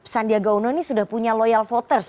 sandiaga uno ini sudah punya loyal voters